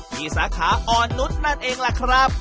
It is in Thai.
ที่สาขาออนุนทน์นั่นเองล่ะครับ